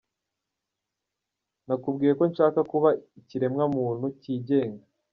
Nakubwiye ko nshaka kuba icyiremwa muntu cyigenga.